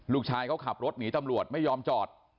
ลูกชายเขาขับรถหนีตำรวจไม่ยอมจอด